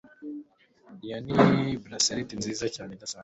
Iyo ni bracelet nziza cyane idasanzwe